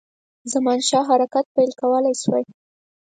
زمانشاه حرکت پیل کولای شوای.